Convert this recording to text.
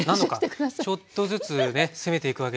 ちょっとずつね攻めていくわけですね。